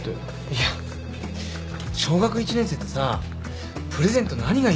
いや小学１年生ってさプレゼント何がいいのかなと思って。